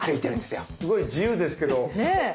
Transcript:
すごい自由ですけど。ね。